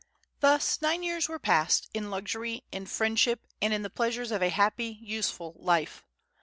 Thus nine years were passed, in luxury, in friendship, and in the pleasures of a happy, useful life.